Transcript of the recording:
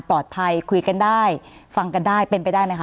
คุยกันได้ฟังกันได้เป็นไปได้ไหมค